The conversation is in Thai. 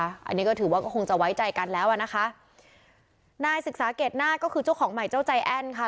อันนี้ก็ถือว่าก็คงจะไว้ใจกันแล้วอ่ะนะคะนายศึกษาเกรดหน้าก็คือเจ้าของใหม่เจ้าใจแอ้นค่ะ